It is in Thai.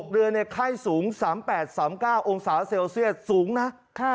เดือนไข้สูง๓๘๓๙องศาเซลเซียสสูงนะ